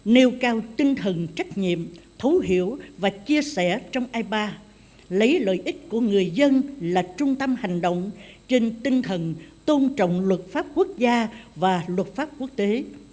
nêu cao tinh thần trách nhiệm thấu hiểu và chia sẻ trong ipa lấy lợi ích của người dân là trung tâm hành động trên tinh thần tôn trọng luật pháp quốc gia và luật pháp quốc tế